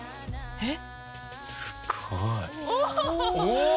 えっ？